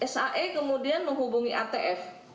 sae kemudian menghubungi atf